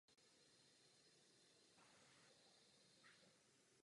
Na Novém Zélandu je vláda podporuje.